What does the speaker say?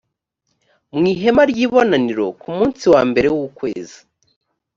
mu ihema ry ibonaniro ku munsi wa mbere w ukwezi